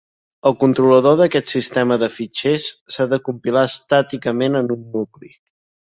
El controlador d'aquest sistema de fitxers s'ha de compilar estàticament en un nucli.